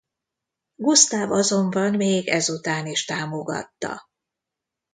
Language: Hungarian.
Gusztáv azonban még ezután is támogatta.